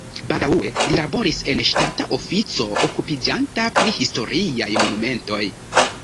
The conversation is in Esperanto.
Baldaŭe li laboris en ŝtata ofico okupiĝanta pri historiaj monumentoj.